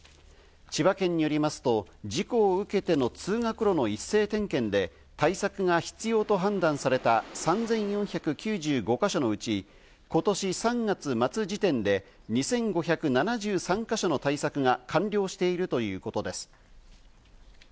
千葉県によりますと、事故を受けての通学路の一斉点検で対策が必要と判断された３４９５か所のうち、今年３月末時点で２５７３か所の対策が完了しているということです。